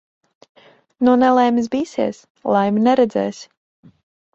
No nelaimes bīsies, laimi neredzēsi.